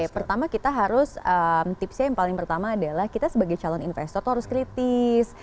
pertama kita harus tipsnya yang paling pertama adalah kita sebagai calon investor itu harus kritis